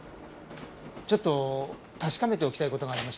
ちょっと確かめておきたい事がありまして。